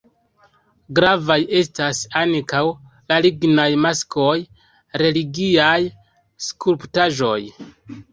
Gravaj estas ankaŭ la lignaj maskoj, religiaj skulptaĵoj.